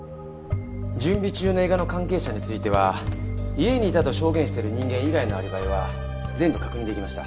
準備中の映画の関係者については家にいたと証言している人間以外のアリバイは全部確認できました。